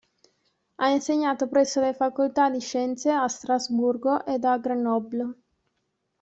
Ha insegnato presso le facoltà di scienze a Strasburgo ed a Grenoble.